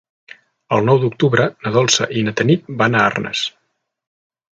El nou d'octubre na Dolça i na Tanit van a Arnes.